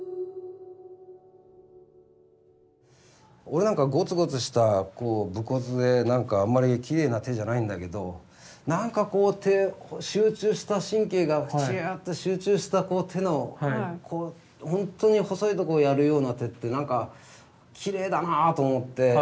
俺なんかごつごつした武骨でなんかあんまりきれいな手じゃないんだけどなんかこう集中した神経がちゅって集中した手のほんとに細いとこをやるような手ってなんかきれいだなぁと思って。